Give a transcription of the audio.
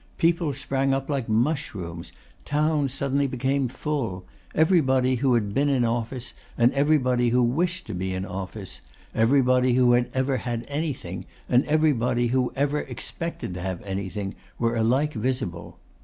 People sprang up like mushrooms; town suddenly became full. Everybody who had been in office, and everybody who wished to be in office; everybody who had ever had anything, and everybody who ever expected to have anything, were alike visible.